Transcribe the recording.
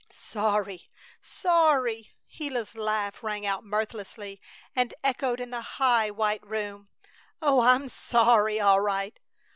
"Sorry! Sorry!" Gila's laugh rang out mirthlessly and echoed in the high, white room. "Oh, I'm sorry, all right!